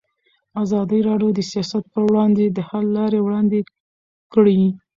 ازادي راډیو د سیاست پر وړاندې د حل لارې وړاندې کړي.